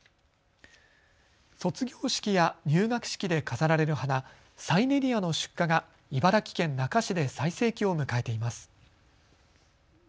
卒業式や入学式で飾られる花、サイネリアの出荷が茨城県那珂市で最盛期を迎えています。